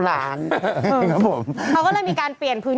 หลังเที่ยงคืน